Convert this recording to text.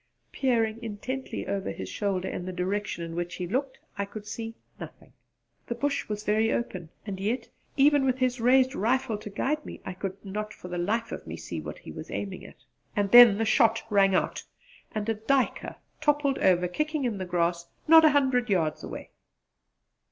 Peering intently over his shoulder in the direction in which he looked I could see nothing. The bush was very open, and yet, even with his raised rifle to guide me, I could not for the life of me see what he was aiming at. Then the shot rang out, and a duiker toppled over kicking in the grass not a hundred yards away.